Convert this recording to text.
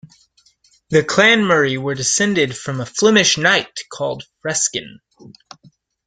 The Clan Murray were descended from a Flemish knight called Freskin.